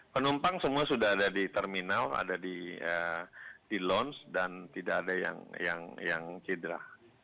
penumpang semua sudah ada di terminal ada di lounge dan tidak ada yang cedera